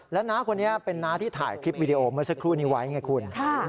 แล้วน้าคนนี้เป็นน้าที่ถ่ายคลิปวิดีโอเมื่อสักครู่นี้ไว้ไงคุณ